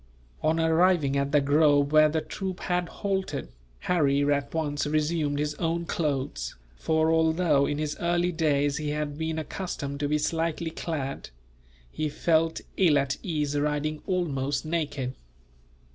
On arriving at the grove where the troop had halted, Harry at once resumed his own clothes; for although in his early days he had been accustomed to be slightly clad, he felt ill at ease riding almost naked.